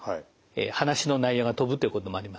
話の内容が飛ぶということもあります。